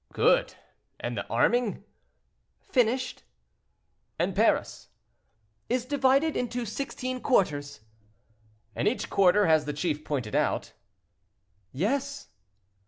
"Good! and the arming?" "Finished." "And Paris?" "Is divided into sixteen quarters." "And each quarter has the chief pointed out?" "Yes."